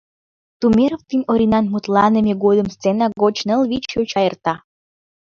Тумеров ден Оринан мутланыме годым сцена гоч ныл-вич йоча эрта.